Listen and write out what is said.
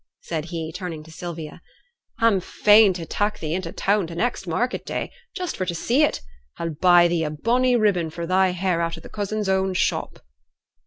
said he, turning to Sylvia. 'A'm fain to tak' thee in to t' town next market day, just for thee t' see 't. A'll buy thee a bonny ribbon for thy hair out o' t' cousin's own shop.'